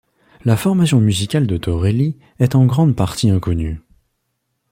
La formation musicale de Torelli est en grande partie inconnue.